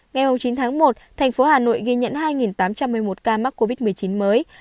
ngày chín tháng một thành phố hà nội ghi nhận hai tám trăm một mươi một ca mắc covid một mươi chín mới